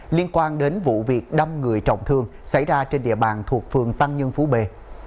liên quan đến vụ việc đâm người trọng thương xảy ra trên địa bàn thuộc phường tăng nhân phú bề